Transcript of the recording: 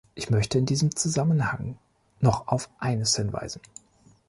Ich möchte in diesem Zusammenhang noch auf eines hinweisen.